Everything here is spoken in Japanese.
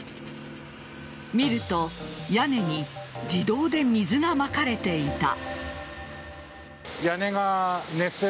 見ると屋根に自動で水がまかれていた。